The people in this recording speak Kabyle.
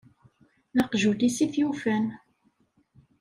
D aqjun-is i t-yufan.